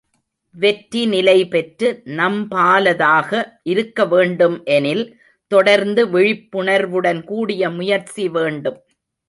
வெற்றி நிலைபெற்று நம்பாலதாக இருக்க வேண்டும் எனில், தொடர்ந்து விழிப்புணர்வுடன் கூடிய முயற்சி வேண்டும்.